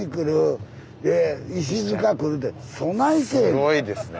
すごいですね。